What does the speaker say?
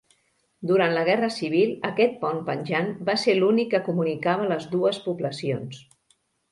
Durant la Guerra Civil aquest pont penjant va ser l'únic que comunicava les dues poblacions.